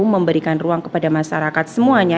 memberikan ruang kepada masyarakat semuanya